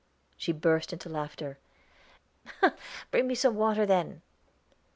She burst into laughter. "Bring me some water, then."